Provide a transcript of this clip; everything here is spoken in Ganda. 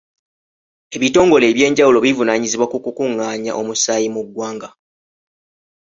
Ebitongole ebyenjawulo bivunaanyizibwa ku kukungaanya omusaayi mu ggwanga.